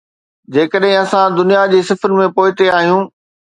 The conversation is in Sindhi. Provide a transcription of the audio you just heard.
جيڪڏهن اسان دنيا جي صفن ۾ پوئتي آهيون.